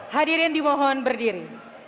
hadirin di mohon berdiri